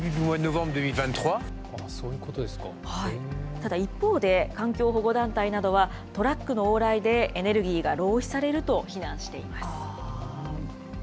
ただ、一方で、環境保護団体などは、トラックの往来で、エネルギーが浪費されると非難しています。